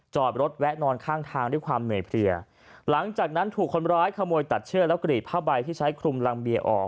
จอดรถแวะนอนข้างทางด้วยความเหนื่อยเพลียหลังจากนั้นถูกคนร้ายขโมยตัดเชือกแล้วกรีดผ้าใบที่ใช้คลุมรังเบียออก